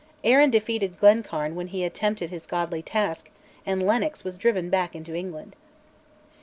Arran defeated Glencairn when he attempted his godly task, and Lennox was driven back into England.